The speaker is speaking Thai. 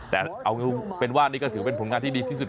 แต่เอาเป็นว่านี่ก็ถือเป็นผลงานที่ดีที่สุด